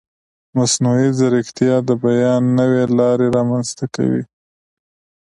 مصنوعي ځیرکتیا د بیان نوې لارې رامنځته کوي.